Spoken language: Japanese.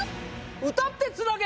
歌ってつなげ！